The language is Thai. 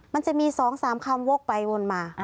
มันจะมีสองสามคำโวคใบวนมา